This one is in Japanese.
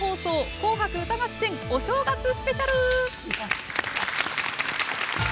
紅白歌合戦お正月スペシャル」。